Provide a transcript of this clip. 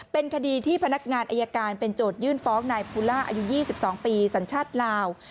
เป็นคดีที่พนักงานอายการเป็นโจทยื่นฟ้องนายภูล่าอายุ๒๒ปีสัญชาติลาว